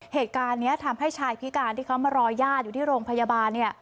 เหตุการณ์นี้ทำให้ชายพิการที่เขามารอญาติอยู่ที่โรงพยาบาล